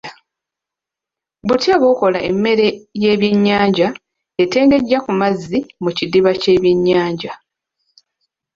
Butya bw'okola emmere y'ebyennyanja etengejja ku mazzi mu kidiba ky'ebyennyanja?